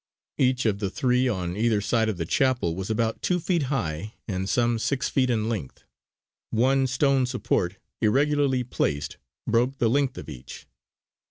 Each of the three on either side of the chapel was about two feet high and some six feet in length; one stone support, irregularly placed, broke the length of each.